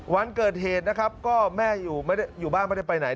วันเกิดเหตุนะครับก็แม่อยู่บ้านไม่ได้ไปไหน